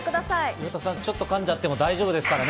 岩田さん、ちょっと噛んじゃっても大丈夫ですからね。